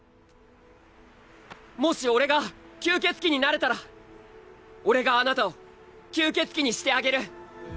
もし俺が吸血鬼になれたら俺があなたを吸血鬼にしてあげる。